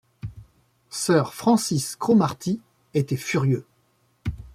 Sir Francis Cromarty était furieux.